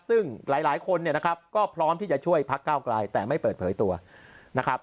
ซึ่งหลายคนเนี่ยนะครับก็พร้อมที่จะช่วยพักเก้าไกลแต่ไม่เปิดเผยตัวนะครับ